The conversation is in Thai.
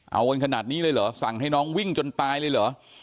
เอากันขนาดนี้เลยเหรอสั่งให้น้องวิ่งจนตายเลยเหรอ